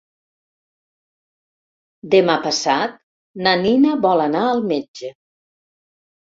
Demà passat na Nina vol anar al metge.